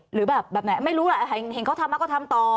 หรือแบบไหนไม่รู้แหละเห็นเขาทำมาก็ทำต่อ